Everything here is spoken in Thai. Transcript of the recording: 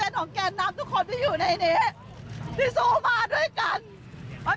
เหมือนทำวง